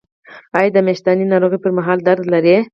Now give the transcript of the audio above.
ایا د میاشتنۍ ناروغۍ پر مهال درد لرئ؟